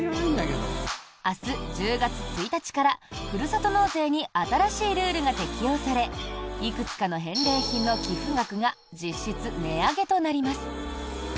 明日１０月１日からふるさと納税に新しいルールが適用されいくつかの返礼品の寄付額が実質値上げとなります。